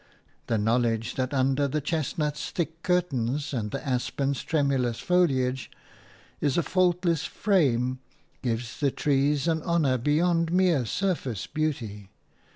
The knowledge that under the chestnut's thick curtains and the aspen's tremulous foliage is a faultless frame gives the trees an honour beyond mere surface beauty.